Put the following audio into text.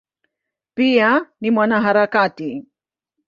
Pia ni mwanaharakati.